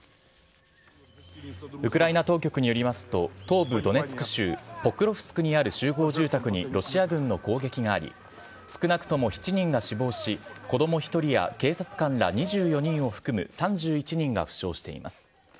ウクライナ当局によりますと、東部ドネツク州ポクロフスクにある集合住宅にロシア軍の攻撃があり、少なくとも７人が死亡し、子ども１人や警察官ら２４人を含む３１人が負傷しています。